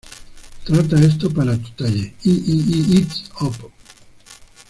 Trata esto para tú talle: i-i-i-i-i-its Pop!